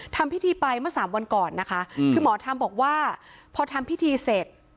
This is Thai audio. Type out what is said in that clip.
ทำพิธีไปเมื่อสามวันก่อนนะคะคือหมอธรรมบอกว่าพอทำพิธีเสร็จ